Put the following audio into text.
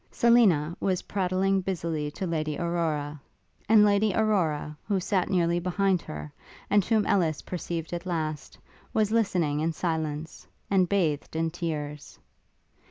Selina was prattling busily to Lady Aurora; and Lady Aurora, who sat nearly behind her, and whom Ellis perceived the last, was listening in silence, and bathed in tears.